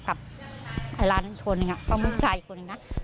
ไอ้ล้านคนอีกนึงอะเขามือชายอีกคนอีกนึงนะ